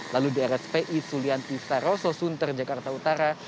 lalu di rspi sulianti saroso sunter jakarta utara